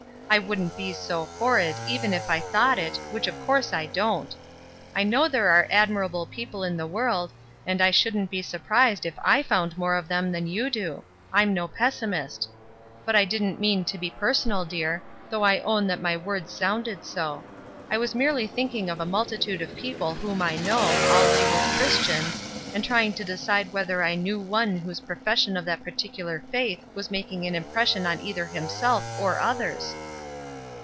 I wouldn't be so horrid, even if I thought it, which of course I don't. I know there are ad mirable people in the world, and I shouldn't be surprised if I found more of them than you do; Tm no pessimist. But I didn't mean to be personal, dear, though I own that my words sounded so. I was merely thinking of a multi tude of people whom I know, all labelled 'Chris tians,' and trying to decide whether I knew one whose profession of that particular faith was making an impression on either himself or others."